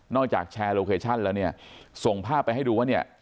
จากแชร์โลเคชั่นแล้วเนี่ยส่งภาพไปให้ดูว่าเนี่ย